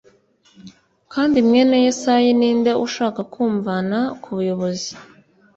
kandi mwene yesayi ni nde ushaka kumvana ku buyobozi